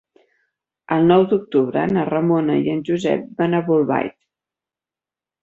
El nou d'octubre na Ramona i en Josep van a Bolbait.